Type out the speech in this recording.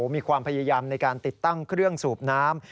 มีความพยายามในการติดตั้งเครื่องสูบน้ำ